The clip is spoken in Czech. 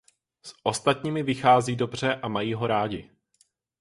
S ostatními vychází dobře a mají ho rádi.